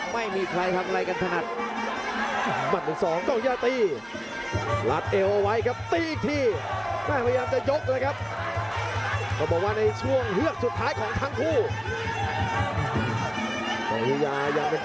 ไม่มีใครทำอะไรกันถนน